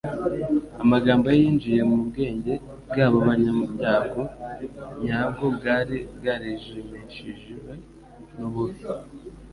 Amagambo ye yinjiye mu bwenge bw'abo banyabyago, nyabwo bwari bwarijimishijwe n'umubi.